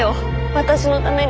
私のために。